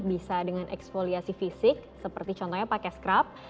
bisa dengan eksfoliasi fisik seperti contohnya pakai scrub